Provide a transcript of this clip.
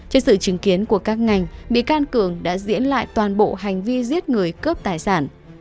trước sự chứng kiến của các ngành bị can cường đã diễn lại toàn bộ hành vi giết người cướp tài sản